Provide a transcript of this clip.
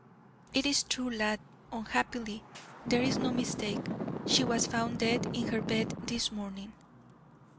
"It is true, lad, unhappily; there is no mistake. She was found dead in her bed this morning."